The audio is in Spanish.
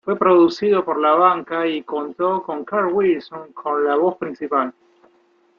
Fue producido por la banda y contó con Carl Wilson con la voz principal.